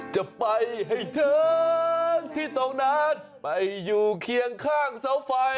จะไปให้เธอที่ตรงนั้นไปอยู่เคียงข้างเสาไฟ